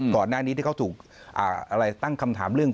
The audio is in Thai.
ก่อนหน้านี้ที่เขาถูกตั้งคำถามเรื่อง